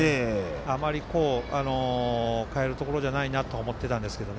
あまり代えるところじゃないなと思っていたんですが。